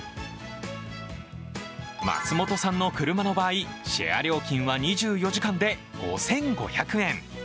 松本さんの車の場合、シェア料金は２４時間で５５００円。